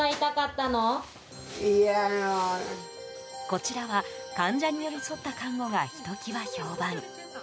こちらは患者に寄り添った看護が、ひときわ評判。